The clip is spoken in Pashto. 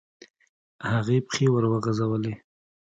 هغې پښې وروغځولې.